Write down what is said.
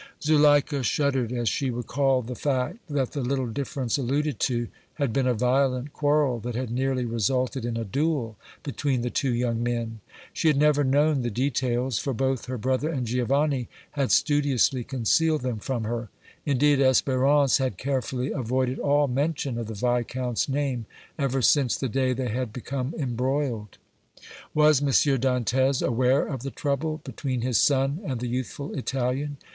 Zuleika shuddered as she recalled the fact that the little difference alluded to had been a violent quarrel that had nearly resulted in a duel between the two young men. She had never known the details, for both her brother and Giovanni had studiously concealed them from her; indeed, Espérance had carefully avoided all mention of the Viscount's name ever since the day they had become embroiled. Was M. Dantès aware of the trouble between his son and the youthful Italian?